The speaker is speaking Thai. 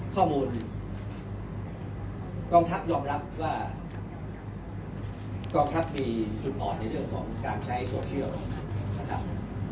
ข้อมูลกองทัพยอมรับว่ากองทัพมีจุดอ่อนในเรื่องของการใช้โซเชียลนะครับ